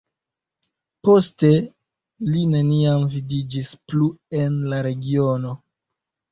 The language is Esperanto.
Poste li neniam vidiĝis plu en la regiono.